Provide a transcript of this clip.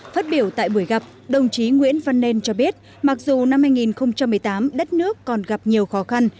phát biểu tại buổi gặp đồng chí nguyễn văn nên cho biết mặc dù năm hai nghìn một mươi tám đất nước còn gặp nhiều khó khăn